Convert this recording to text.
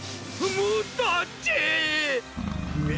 もっとあっちい！